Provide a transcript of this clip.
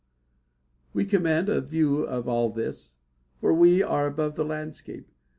We command a view of all this, for we are above the landscape.